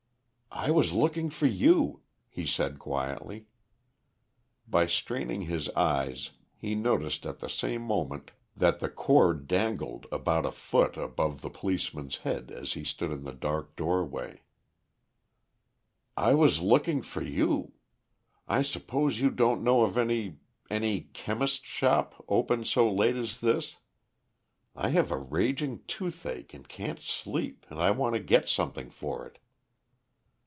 "I was looking for you," he said quietly. By straining his eyes he noticed at the same moment that the cord dangled about a foot above the policeman's head, as he stood in the dark doorway. [Illustration: THE CORD DANGLED ABOUT A FOOT ABOVE THE POLICEMAN'S HEAD] "I was looking for you. I suppose you don't know of any any chemist's shop open so late as this? I have a raging toothache and can't sleep, and I want to get something for it."